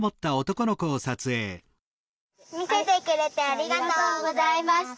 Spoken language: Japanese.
みせてくれてありがとうございました。